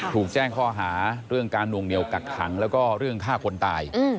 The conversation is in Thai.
ถูกแจ้งข้อหาเรื่องการนวงเหนียวกักขังแล้วก็เรื่องฆ่าคนตาย